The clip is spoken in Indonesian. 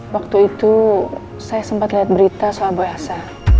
waktu itu saya sempat lihat berita soal bu elsa